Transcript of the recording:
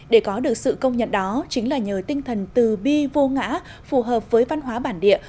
để có được sự công nhận đó chính là nhờ tinh thần từ bi vô ngã phù hợp với văn hóa bản địa